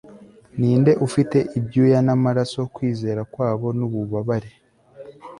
Ninde ufite ibyuya namaraso kwizera kwabo nububabare